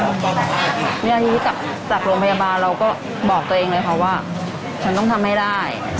อันนี้จากโรงพยาบาลเราก็บอกตัวเองเลยค่ะว่าฉันต้องทำให้ได้